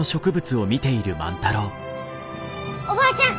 おばあちゃん